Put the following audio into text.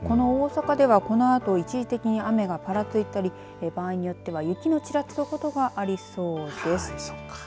大阪では、このあと一時的に雨がぱらついたり場合によっては雪のちらつく所がありそうです。